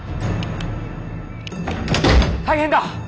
大変だ。